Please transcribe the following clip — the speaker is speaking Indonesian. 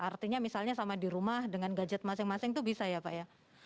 artinya misalnya sama di rumah dengan gadget masing masing itu bisa ya pak ya